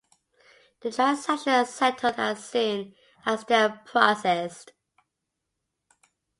The transactions are settled as soon as they are processed.